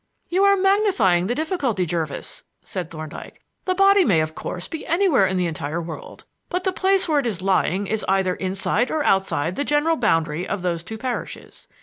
"You are magnifying the difficulty, Jervis," said Thorndyke. "The body may, of course, be anywhere in the entire world, but the place where it is lying is either inside or outside the general boundary of those two parishes.